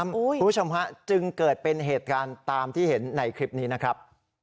คุณผู้ชมฮะจึงเกิดเป็นเหตุการณ์ตามที่เห็นในคลิปนี้นะครับ